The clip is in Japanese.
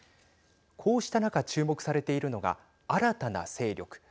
こうした中注目されているのが新たな勢力。